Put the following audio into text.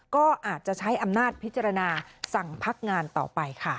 ก็อาจจะใช้อำนาจพิจารณาสั่งพักงานต่อไปค่ะ